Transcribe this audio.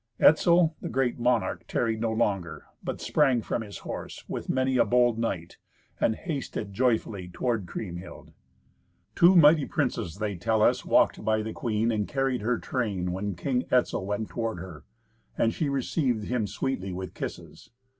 Etzel, the great monarch, tarried no longer, but sprang from his horse with many a bold knight, and hasted joyfully toward Kriemhild. Two mighty princes, they tell us, walked by the queen and carried her train when King Etzel went toward her, and she received him sweetly with kisses.